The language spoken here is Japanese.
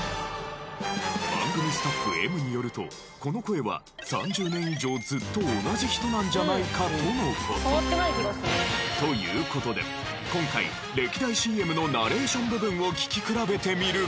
番組スタッフＭによるとこの声は３０年以上ずっと同じ人なんじゃないかとの事。という事で今回歴代ＣＭのナレーション部分を聞き比べてみる事に。